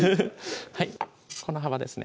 はいこの幅ですね